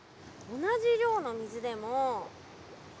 同じ量の水でも。